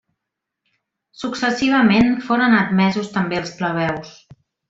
Successivament foren admesos també els plebeus.